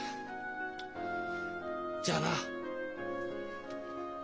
じゃあな。